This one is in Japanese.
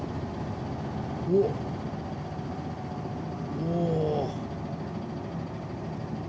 おお。